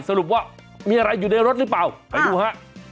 สรุปว่ามีอะไรอยู่ในรถหรือเปล่าไปดูฮะ